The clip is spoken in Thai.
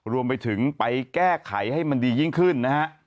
รวมไปถึงไปแก้ไขให้มันดียิ่งขึ้นนะฮะ